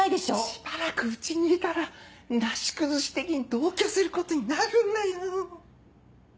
しばらくうちにいたらなし崩し的に同居することになるんだよぉ。